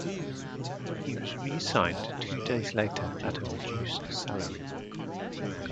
He was re-signed two days later at a reduced salary.